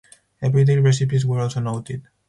Everyday recipes were also noted.